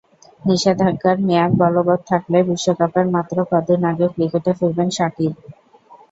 নিষেধাজ্ঞার মেয়াদ বলবত্ থাকলে বিশ্বকাপের মাত্র কদিন আগে ক্রিকেটে ফিরবেন সাবিক।